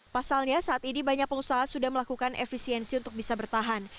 pasalnya saat ini banyak pengusaha sudah melakukan efisiensi untuk bisa bertahan